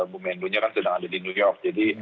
bumendunya kan sedang ada di new york jadi